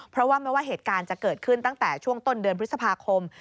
เพราะว่าไม่ว่าเหตุการณ์จะเกิดขึ้นตั้งแต่ช่วงต้นเดือนพฤษภาคม